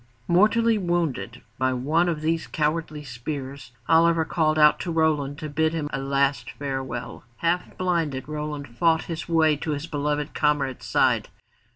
Mortally wounded by one of these cowardly spears, Oliver called out to Roland to bid him a last farewell. Half blinded, Roland fought his way to his beloved comrade's side.